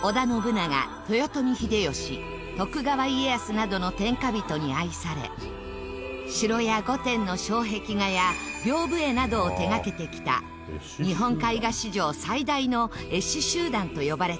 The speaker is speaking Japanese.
徳川家康などの天下人に愛され城や御殿の障壁画や屏風絵などを手掛けてきた日本絵画史上最大の絵師集団と呼ばれていますが。